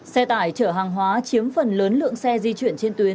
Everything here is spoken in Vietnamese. xe tải chở hàng hóa chiếm phần lớn lượng xe di chuyển trên tuyến